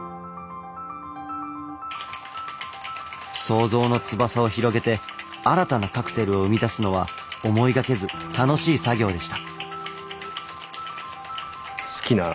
想像の翼を広げて新たなカクテルを生み出すのは思いがけず楽しい作業でした。